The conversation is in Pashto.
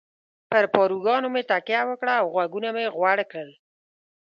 پر پاروګانو مې تکیه وکړه او غوږونه مې غوړ کړل.